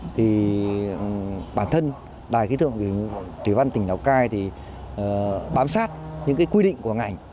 thì bản thân đài khí tượng thủy văn tỉnh lào cai thì bám sát những quy định của ngành